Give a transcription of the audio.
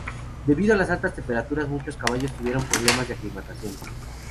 Debido a las altas temperaturas muchos caballos tuvieron problemas de aclimatación.